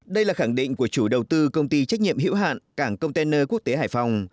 đây là khẳng định của chủ đầu tư công ty trách nhiệm hữu hạn cảng container quốc tế hải phòng